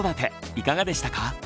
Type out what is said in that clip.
いかがでしたか？